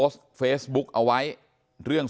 สวัสดีครับ